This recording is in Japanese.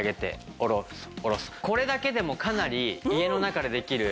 これだけでもかなり家の中でできる。